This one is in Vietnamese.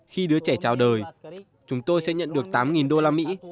khi đứa trẻ trào đời chúng tôi sẽ nhận được tám đô la mỹ